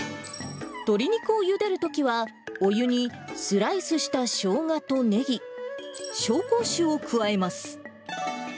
鶏肉をゆでるときは、お湯にスライスしたショウガとネギ、紹興酒を加えます。